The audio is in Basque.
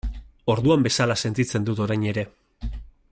Orduan bezala sentitzen dut orain ere.